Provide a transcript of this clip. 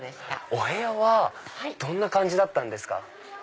お部屋はどんな感じだったんですか？